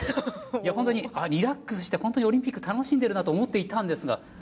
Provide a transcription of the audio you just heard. いやリラックスしてほんとにオリンピック楽しんでるなと思っていたんですが。